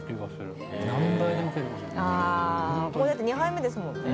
あこれ２杯目ですもんね。